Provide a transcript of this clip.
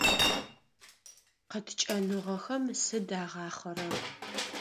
Къыткӏэныгъэхэм сыд агъахъэрэр?